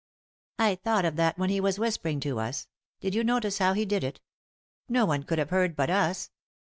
I thought of that when he was whispering to us. Did you notice how he did it ? No one could have heard but us."